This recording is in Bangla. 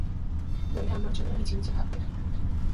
নইলে আমার জন্যে মিছিমিছি ভাববে।